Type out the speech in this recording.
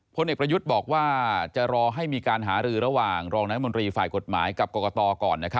พลเอกประยุทธ์บอกว่าจะรอให้มีการหารือระหว่างรองนายมนตรีฝ่ายกฎหมายกับกรกตก่อน